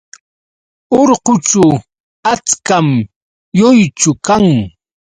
Urqućhu achkam lluychu kan.